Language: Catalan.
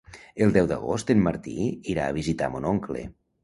El deu d'agost en Martí irà a visitar mon oncle.